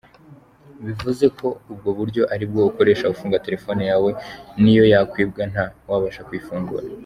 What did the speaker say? Bivuze ko ubwo buryo aribwo ukoresha ufunga telefone yawe niyo yakwibwa nta wabasha kuyifungura.